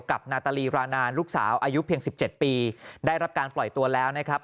นาตาลีรานานลูกสาวอายุเพียง๑๗ปีได้รับการปล่อยตัวแล้วนะครับ